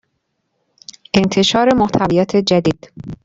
انتشار محتویات جدید